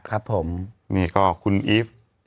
สีวิต้ากับคุณกรนิดหนึ่งดีกว่านะครับแฟนแห่เชียร์หลังเห็นภาพ